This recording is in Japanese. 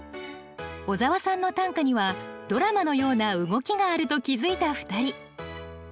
小沢さんの短歌にはドラマのような動きがあると気付いた２人。